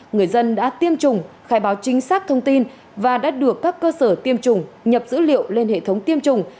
người dân đã tiêm chủng khai báo chính xác thông tin và đã được các cơ sở tiêm chủng nhập dữ liệu lên hệ thống tiêm chủng